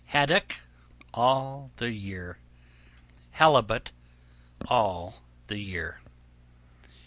Haddock All the year. Halibut All the year.